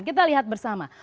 kita lihat bersama